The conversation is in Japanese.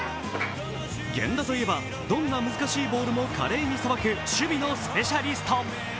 源田といえば、どんな難しいボールも華麗にさばく守備のスペシャリスト。